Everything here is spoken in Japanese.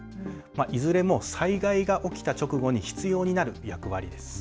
いずれも災害が起きた直後に必要になる役割です。